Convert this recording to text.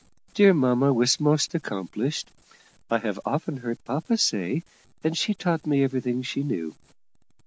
Dear mamma was most accomplished, I have often heard papa say, and she taught me everything she knew.